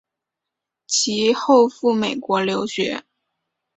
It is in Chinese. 其后赴美国留学。